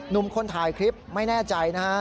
หนุ่มคนถ่ายคลิปไม่แน่ใจนะฮะ